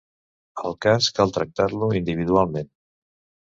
El cas cal tractar-lo individualment.